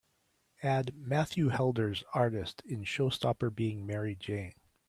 add Matthew Helders artist in Showstopper Being Mary Jane